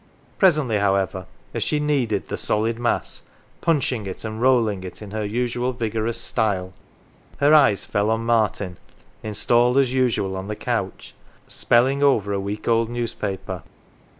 Presently, however, as she kneaded the solid mass, punching it and rolling it in her usual vigorous style, her eyes fell on Martin, installed as usual on the couch, spelling over a week old newspaper.